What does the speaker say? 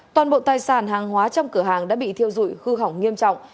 toàn bộ tài sản hàng hóa trong cửa hàng đã bị thiêu dụi hư hỏng nghiêm trọng